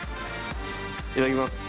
いただきます。